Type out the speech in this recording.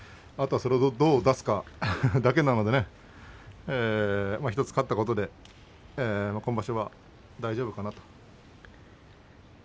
それをどう出すかだけなので１つ勝ったことで今場所は大丈夫かなと。